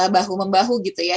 bahu membahu gitu ya